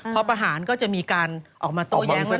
เพราะประหารก็จะมีการออกมาตัวอย่างนั้น